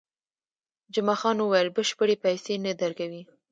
جمعه خان وویل، بشپړې پیسې نه درکوي.